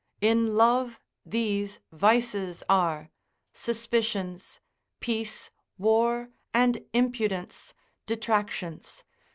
In love these vices are; suspicions. Peace, war, and impudence, detractions.